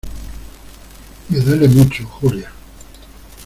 me duele mucho, Julia